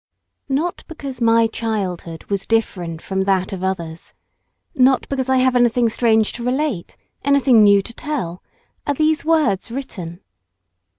Not because my childhood was different from that of others, not because I have anything strange to relate, anything new to tell, are these words written.